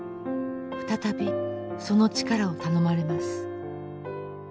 再びその力を頼まれます。